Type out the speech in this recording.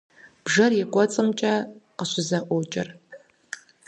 Бжэр и кӏуэцӏымкӏэ къыщызэӏуокӏыр.